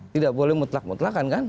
tidak boleh mutlak mutlakkan kan